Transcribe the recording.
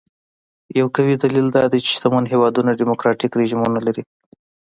یو قوي دلیل دا دی چې شتمن هېوادونه ډیموکراټیک رژیمونه لري.